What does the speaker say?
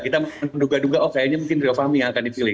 kita menduga duga oh kayaknya mungkin rio fahmi yang akan dipilih